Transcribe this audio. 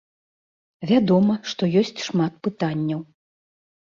Вядома, што ёсць шмат пытанняў.